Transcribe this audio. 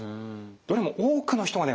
どれも多くの人がね